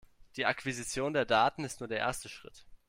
Die Akquisition der Daten ist nur der erste Schritt.